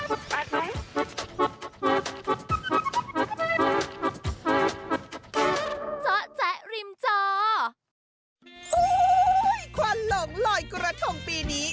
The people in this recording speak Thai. โอ้โหควันหลงลอยกระทงปีนี้